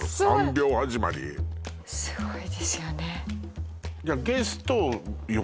すごいですよね